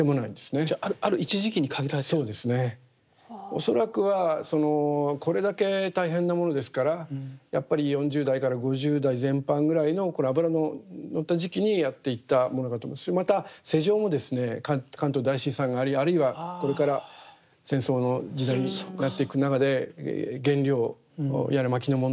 恐らくはこれだけ大変なものですからやっぱり４０代から５０代前半ぐらいの頃脂の乗った時期にやっていったものだと思いますしまた世情もですね関東大震災がありあるいはこれから戦争の時代になっていく中で原料やら薪の問題